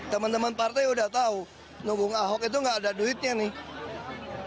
teman teman partai udah tahu nunggu ahok itu nggak ada duitnya nih